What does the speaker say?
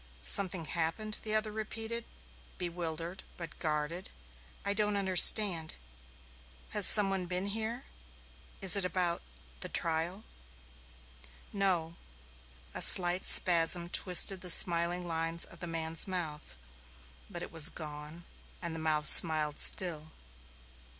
"Something happened?" the other repeated, bewildered but guarded. "I don't understand. Has some one been here? Is it about the trial?" "No." A slight spasm twisted the smiling lines of the man's mouth, but it was gone and the mouth smiled still.